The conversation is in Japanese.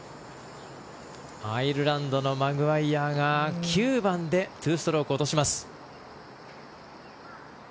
アイルランドのマグワイヤが９番で２ストローク落とします。